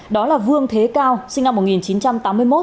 đó là vương thế cao sinh năm một nghìn chín trăm tám mươi một